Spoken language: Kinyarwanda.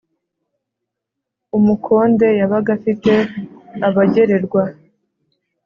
umukonde yabaga afite abagererwa